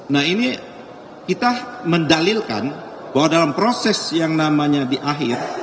nah ini kita mendalilkan bahwa dalam proses yang namanya di akhir